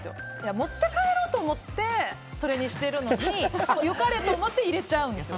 持って帰ろうと思ってそれにしてるのによかれと思って入れちゃうんです。